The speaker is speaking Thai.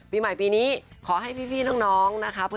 ปีใหม่ปีนี้ขอให้พี่น้องนะคะ